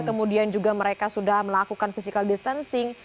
kemudian juga mereka sudah melakukan physical distancing